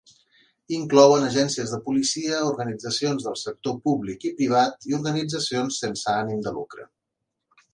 Inclouen agències de policia, organitzacions del sector públic i privat i organitzacions sense ànim de lucre.